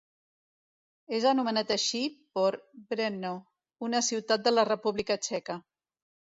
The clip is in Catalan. És anomenat així por Brno, una ciutat de la República Txeca.